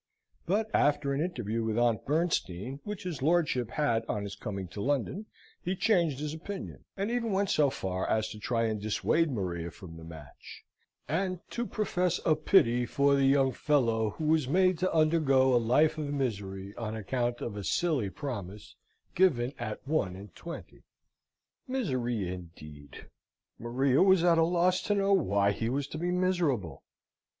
But, after an interview with Aunt Bernstein, which his lordship had on his coming to London, he changed his opinion: and even went so far as to try and dissuade Maria from the match; and to profess a pity for the young fellow who was made to undergo a life of misery on account of a silly promise given at one and twenty! Misery, indeed! Maria was at a loss to know why he was to be miserable.